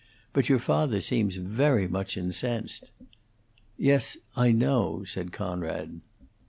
But your father seems very much incensed." "Yes, I know," said Conrad.